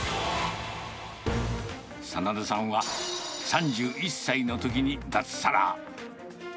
眞田さんは３１歳のときに脱サラ。